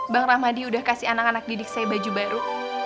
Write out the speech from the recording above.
bang rahmadi udah kasih anak anak didik saya baju baru